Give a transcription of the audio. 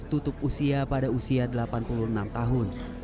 tutup usia pada usia delapan puluh enam tahun